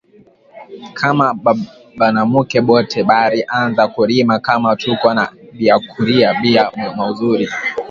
Kama banamuke bote bari Anza kurima kama tuko na biakuria bia muzuri